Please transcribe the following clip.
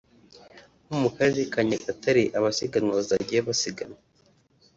nko mu karere ka Nyagatare abasiganwa bazajyayo basiganwa